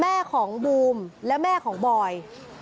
แม่ของบูมและแม่ของบอย